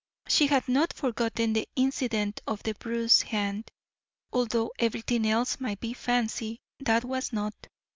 She had not forgotten the incident of the bruised hand; although everything else might be fancy, that was not.